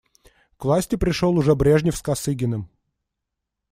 К власти пришел уже Брежнев с Косыгиным.